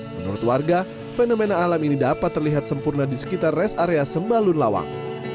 menurut warga fenomena alam ini dapat terlihat sempurna di sekitar res area sembalun lawang